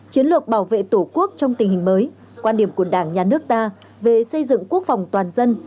chiến lược bảo vệ tổ quốc trong tình hình mới quan điểm của đảng nhà nước ta về xây dựng quốc phòng toàn dân